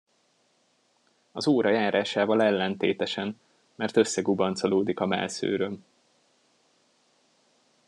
Az óra járásával ellentétesen, mert összegubancolódik a mellszőröm.